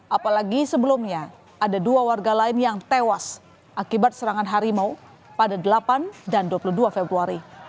apalagi sebelumnya ada dua warga lain yang tewas akibat serangan harimau pada delapan dan dua puluh dua februari